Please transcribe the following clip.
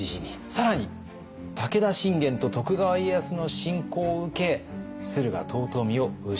更に武田信玄と徳川家康の侵攻を受け駿河遠江を失う。